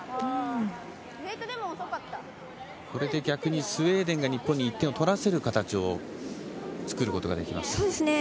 逆にスウェーデンが日本に１点を取らせる形を作ることができます。